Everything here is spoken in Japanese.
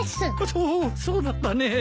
そっそうだったね。